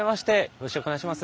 よろしくお願いします。